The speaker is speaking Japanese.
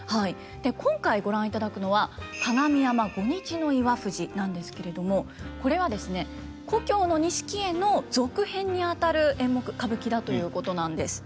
今回ご覧いただくのは「加賀見山再岩藤」なんですけれどもこれはですね「旧錦絵」の続編にあたる演目歌舞伎だということなんです。